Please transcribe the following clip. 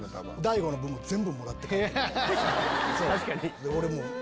確かに。